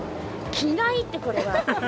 着ないって、これは。